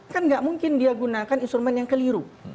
kan nggak mungkin dia gunakan instrumen yang keliru